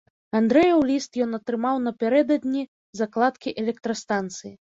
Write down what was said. Андрэеў ліст ён атрымаў напярэдадні закладкі электрастанцыі.